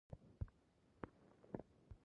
سیاسي جوړښت او فردي چلند هم مهم دی.